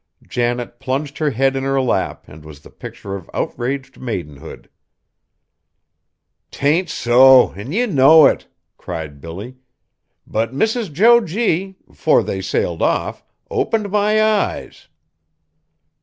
Janet plunged her head in her lap and was the picture of outraged maidenhood. "'T ain't so! An' ye know it!" cried Billy. "But Mrs. Jo G., 'fore they sailed off, opened my eyes."